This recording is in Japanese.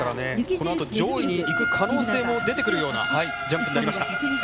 このあと上位にいく可能性も出てくるようなジャンプになりました。